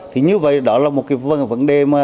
thì như vậy đó là một vấn đề